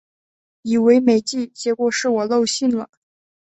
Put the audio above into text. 以为没寄，结果是我漏信了